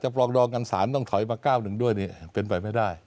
ปรองดองกันสารต้องถอยมา๙๑ด้วยเป็นไปไม่ได้